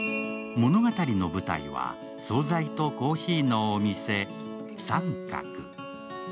物語の舞台は総菜とコーヒーのお店・さんかく。